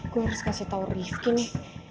gue harus kasih tau rifkin ya